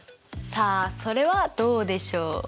さあそれはどうでしょう。